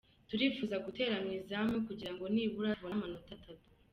Turifuza gutera mu izamu kugira ngo nibura tubone amanota atatu.